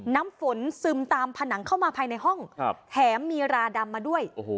น้ำฝนซึมตามผนังเข้ามาภายในห้องแถมมีราดำมาด้วย